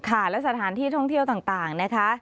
ค่ะและสถานที่ท่องเที่ยวต่างนะคะ